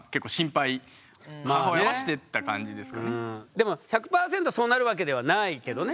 でも１００％そうなるわけではないけどね。